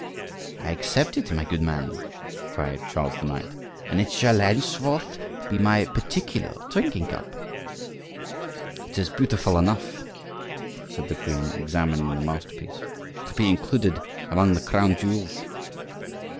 "I accept it, my good man," cried Charles IX.; "and it shall henceforth be my particular drinking cup." "It is beautiful enough," said the queen, examining the masterpiece, "to be included among the crown jewels.